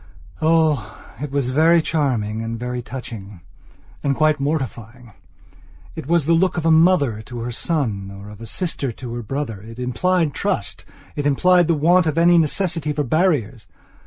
oh, it was very charming and very touchingand quite mortifying. It was the look of a mother to her son, of a sister to her brother. It implied trust; it implied the want of any necessity for barriers.